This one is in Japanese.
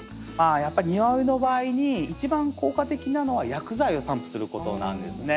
やっぱり庭植えの場合に一番効果的なのは薬剤を散布することなんですね。